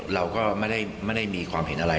เราก็ไม่ได้มีความเห็นอะไร